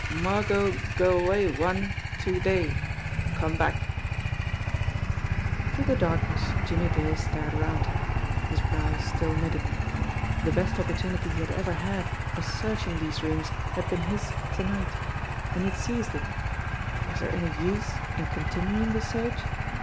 "Margot go away one, two day come back." THE VOICE 191 Through the darkness Jimmie Dale stared around him, his brows still knitted. The best opportunity he had ever had of searching these rooms had been his to night, and he had seized it, but was there any use in continuing the search